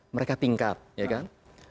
mereka tingkat ya kan